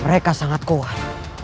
mereka sangat kuat